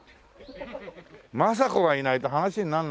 政子がいないと話にならないじゃないのよ。